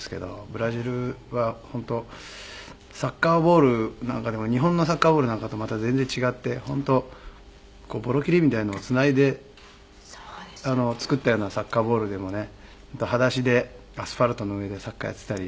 ブラジルは本当サッカーボールなんかでも日本のサッカーボールなんかとまた全然違って本当ボロ布みたいなのをつないで作ったようなサッカーボールでもね裸足でアスファルトの上でサッカーやっていたり。